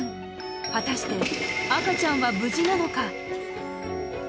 果たして赤ちゃんは無事なのか？